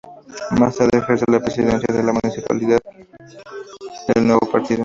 Más tarde ejerce la Presidencia de la Municipalidad del nuevo partido.